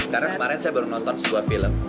karena kemarin saya baru nonton sebuah film